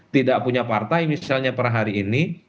tidak punya partai misalnya perhatiannya